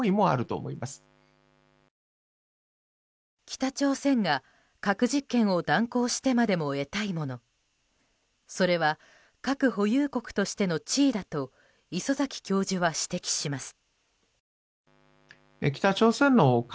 北朝鮮が核実験を断行してまでも得たいものそれは核保有国としての地位だと礒崎教授は指摘します。